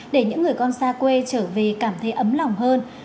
để những người con xa quê trở về cảm thấy ấm lòng hơn